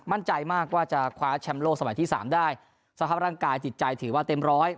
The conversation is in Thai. มั่นใจมากว่าจะคว้าแชมป์โลกสมัยที่สามได้สภาพร่างกายจิตใจถือว่าเต็มร้อย